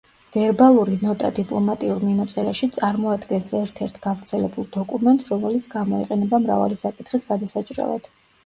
ვერბალური ნოტა დიპლომატიურ მიმოწერაში წარმოადგენს ერთ-ერთ გავრცელებულ დოკუმენტს, რომელიც გამოიყენება მრავალი საკითხის გადასაჭრელად.